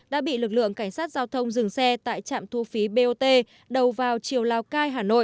đã bị lực lượng cảnh sát giao thông dừng xe tại trạm thu phí bot đầu vào chiều lào cai hà nội